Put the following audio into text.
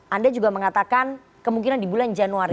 anda juga mengatakan kemungkinan di bulan januari